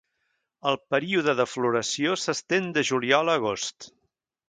El període de floració s'estén de juliol a agost.